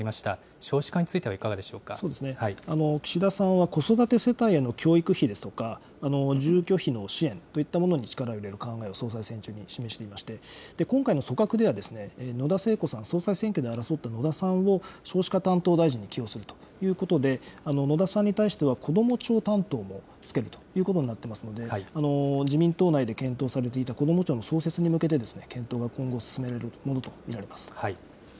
少子化についてはいかがでしょう岸田さんは子育て世帯への教育費ですとか、住居費の支援といったものに力を入れる考えを総裁選中も示していまして、今回の組閣では、野田聖子さん、総裁選挙で争った野田さんを少子化担当大臣に起用するということで、野田さんに対してはこども庁担当もつけるということになっていますので、自民党内で検討されていたこども庁の創設に向けて、検討が今後、進められるものと見られます。